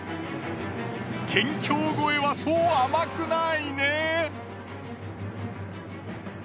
県境越えはそう甘くないね。